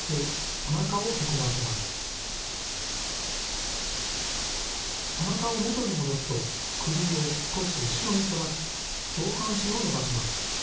おなかを元に戻すと首を少し後ろに反らし上半身を伸ばします。